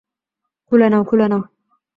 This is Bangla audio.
খুলে নাও, খুলে নাও।